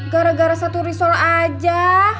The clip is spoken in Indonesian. gara gara satu risol aja